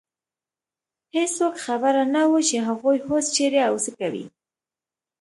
هېڅوک خبر نه و، چې هغوی اوس چېرې او څه کوي.